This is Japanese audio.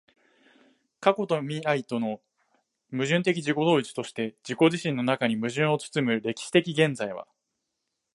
過去と未来との矛盾的自己同一として自己自身の中に矛盾を包む歴史的現在は、